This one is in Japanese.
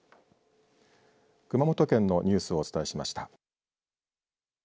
熊本県のニュースをお伝えしました。